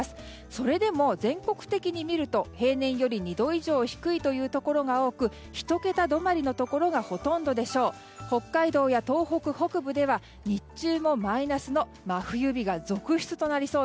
それでも全国的に見ると平年より２度以上低いところが多く１桁止まりのところがほとんどでしょう。